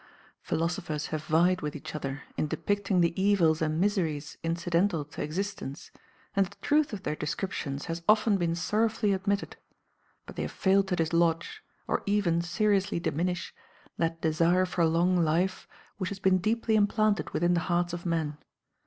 Philosophers have vied with each other in depicting the evils and miseries incidental to existence, and the truth of their descriptions has often been sorrowfully admitted, but they have failed to dislodge, or even seriously diminish, that desire for long life which has been deeply implanted within the hearts of men.